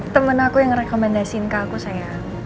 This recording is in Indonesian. temen aku yang ngerekomendasiin ke aku sayang